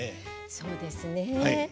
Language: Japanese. そうですね。